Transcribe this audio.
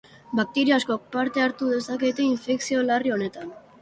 Bakterio askok parte hartu dezakete infekzio larri honetan.